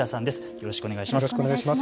よろしくお願いします。